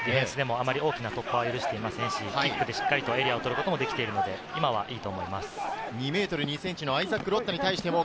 大きな突破は許していませんし、しっかりエリアを取ることもできているので今はいいと思います。